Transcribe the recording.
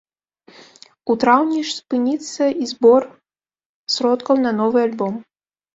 У траўні ж спыніцца і збор сродкаў на новы альбом.